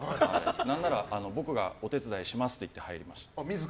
何なら僕がお手伝いしますって言って入りました。